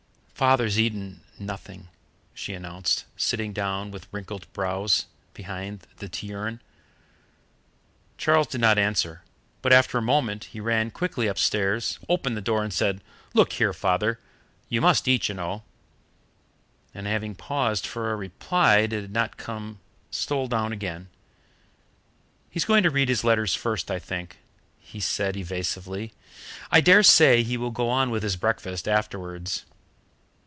"Father's eaten nothing," she announced, sitting down with wrinkled brows behind the tea urn Charles did not answer, but after a moment he ran quickly upstairs, opened the door, and said: "Look here, Father, you must eat, you know"; and having paused for a reply that did not come, stole down again. "He's going to read his letters first, I think," he said evasively; "I dare say he will go on with his breakfast afterwards."